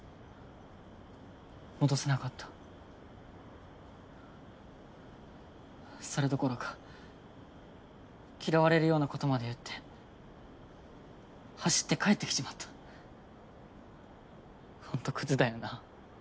戻せなかったそれどころか嫌われるようなことまで言って走って帰ってきちまったほんとクズだよな